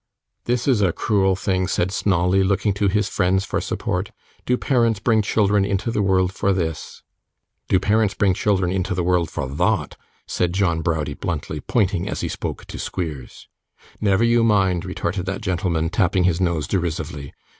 'This is a cruel thing,' said Snawley, looking to his friends for support. 'Do parents bring children into the world for this?' 'Do parents bring children into the world for THOT?' said John Browdie bluntly, pointing, as he spoke, to Squeers. 'Never you mind,' retorted that gentleman, tapping his nose derisively.